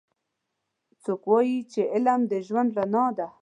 څوک وایي چې علم د ژوند رڼا ده